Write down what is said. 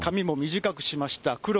髪も短くしました。